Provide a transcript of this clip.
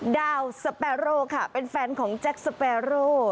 ดาวสเปโร่ค่ะเป็นแฟนของแจ็คสเปโร่